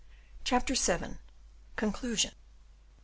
CHAPTER VIL CONCLUSION.